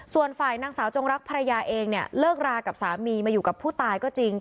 ส่วนฝ่ายนางสาวจงรักภรรยาเองเนี่ยเลิกรากับสามีมาอยู่กับผู้ตายก็จริง